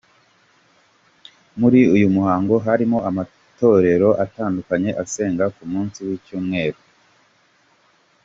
Muri uyu muhango hari amatorero atandukanye asenga ku munsi w’icyumweru.